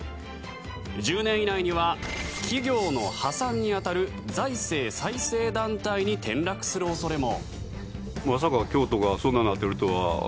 １０年以内には企業の破産に当たる財政再生団体に転落する恐れも。